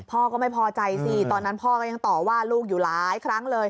พ่อก็ไม่พอใจสิตอนนั้นพ่อก็ยังต่อว่าลูกอยู่หลายครั้งเลย